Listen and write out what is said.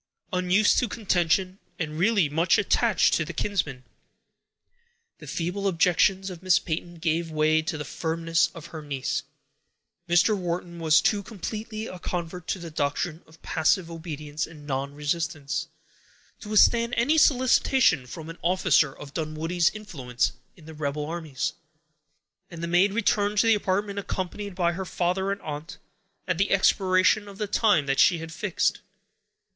Unused to contention, and really much attached to her kinsman, the feeble objections of Miss Peyton gave way to the firmness of her niece. Mr. Wharton was too completely a convert to the doctrine of passive obedience and nonresistance, to withstand any solicitation from an officer of Dunwoodie's influence in the rebel armies; and the maid returned to the apartment, accompanied by her father and aunt, at the expiration of the time that she had fixed.